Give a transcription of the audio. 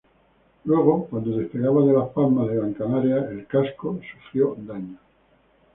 Luego, cuando despegaba de Las Palmas de Gran Canaria, el casco sufrió daños.